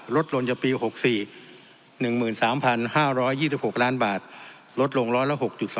ลดลงจากปี๖๔๑๓๕๒๖ล้านบาทลดลงร้อยละ๖๒